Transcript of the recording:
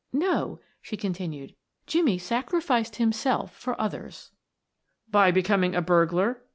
"No," she continued, "Jimmie sacrificed himself for others." "By becoming a burglar."